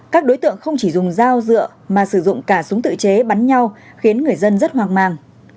các đối tượng không chỉ dùng dao dựa mà sử dụng cả súng tự chế bắn nhau khiến người dân rất hoang mang